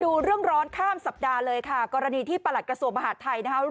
ดูเรื่องร้อนข้ามสัปดาห์เลยค่ะกรณีที่ประหลัดกระทรวงมหาดไทยนะครับ